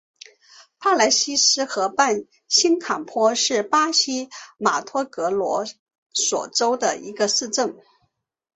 帕雷西斯河畔新坎波是巴西马托格罗索州的一个市镇。